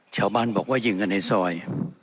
ชาวบ้านบอกว่ายิงกันในซอย